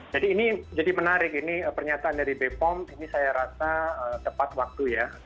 jadi ini jadi menarik ini pernyataan dari bpom ini saya rasa tepat waktu ya